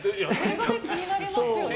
気になりますよね